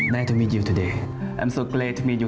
ฮัลโหล